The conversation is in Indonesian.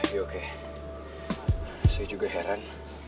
ya oke saya juga heran